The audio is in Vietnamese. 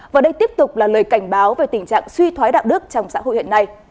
và đây tiếp tục là lời cảnh báo về tình trạng suy thoái đạo đức trong xã hội hiện nay